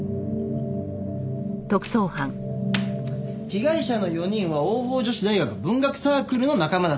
被害者の４人は桜朋女子大学文学サークルの仲間だったそうです。